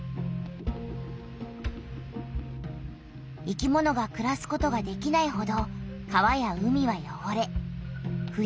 生きものがくらすことができないほど川や海はよごれふ